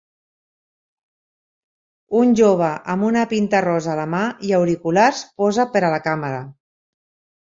Un jove amb una pinta rosa a la mà i auriculars posa per a la càmera